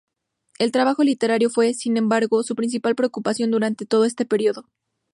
El trabajo literario fue, sin embargo, su principal preocupación durante todo este período.